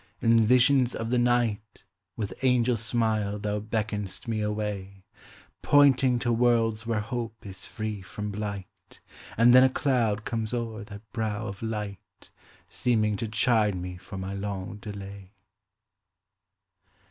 In visions of the night With angel smile thou beckon'st me away, Pointing to worlds where hope is free from blight; And then a cloud comes o'er that brow of light, Seeming to chide me for my long delay.